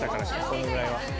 このぐらいは。